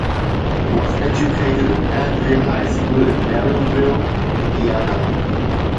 He was educated at Andrean High School in Merrillville, Indiana.